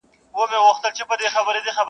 پوليس کار پای ته رسوي او ورو ورو وځي,